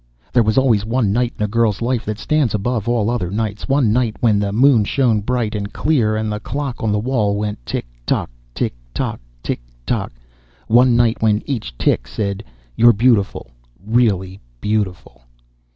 There was always one night in a girl's life that stands above all other nights. One night when the moon shone bright and clear and the clock on the wall went tick tock, tick tock, tick tock. One night when each tick said, "You're beautiful! Really beautiful!"